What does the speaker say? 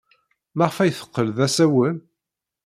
Maɣef ay teqqel d asawen?